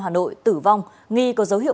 hà nội tử vong nghi có dấu hiệu